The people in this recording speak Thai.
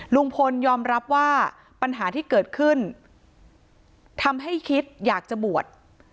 ลุงพลยอมรับว่าปัญหาที่เกิดขึ้นทำให้คิดอยากจะบวช